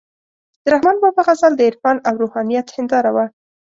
د رحمان بابا غزل د عرفان او روحانیت هنداره وه،